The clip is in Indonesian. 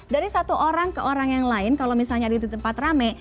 dari satu orang ke orang yang lain kalau misalnya di tempat rame